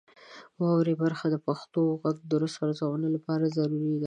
واورئ برخه د پښتو غږونو د درست ارزونې لپاره ضروري ده.